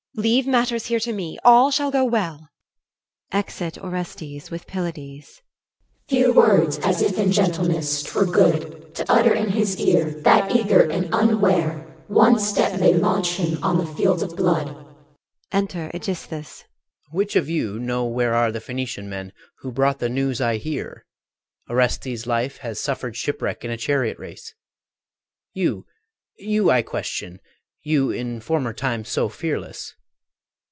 Leave matters here to me. All shall go well. [Exit ORESTES with PYLADES CH. Few words, as if in gentleness, 'twere good To utter in his ear, That, eager and unware, One step may launch him on the field of blood. Enter AEGISTHUS. AEGISTHUS. Which of you know where are the Phocian men Who brought the news I hear, Orestes' life Hath suffered shipwreck in a chariot race? You, you I question, you in former time So fearless!